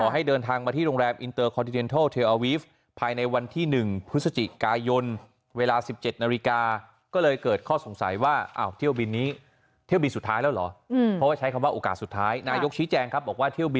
ให้บังเกินอยากดูผลงานมากกว่านะครับ